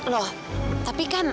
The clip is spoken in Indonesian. loh tapi kan